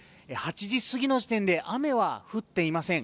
８時過ぎの時点で、雨は降っていません。